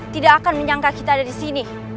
tidak akan menyangka kita ada disini